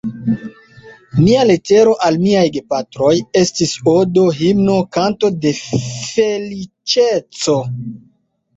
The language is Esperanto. Mia letero al miaj gepatroj estis odo, himno, kanto de feliĉeco.